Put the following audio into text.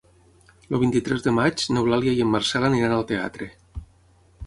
El vint-i-tres de maig n'Eulàlia i en Marcel aniran al teatre.